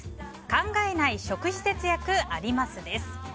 「考えない食費節約あります！」です。